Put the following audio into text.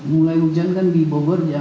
mulai hujan kan di bogor ya